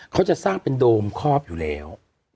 เขาจะสร้างเป็นโดมครอบอยู่แล้ว